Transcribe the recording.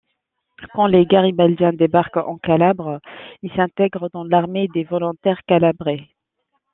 Quand les garibaldiens débarquent en Calabre, ils s'intègrent dans l'armée des volontaires calabrais.